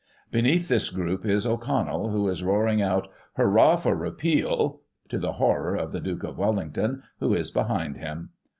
Beneath this group is O'Connell, who is roaring out " Hurrah for Repeal !" to the horror of the Duke of Wellington, who is behind him.